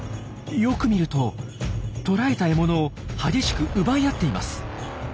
よく見ると捕らえた獲物を激しく奪い合っています。